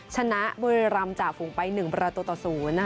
ชนะบุรีรำจ่าฝูงไป๑ประตูต่อ๐